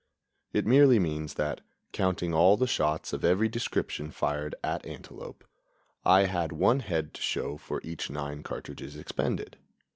It merely means that, counting all the shots of every description fired at antelope, I had one head to show for each nine cartridges expended.